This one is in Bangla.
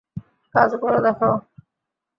কাজ করে দেখাও।